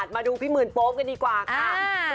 มาดูพี่หมื่นโป๊ปกันดีกว่าค่ะ